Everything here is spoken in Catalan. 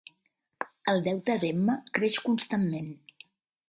El deute d'Emma creix constantment.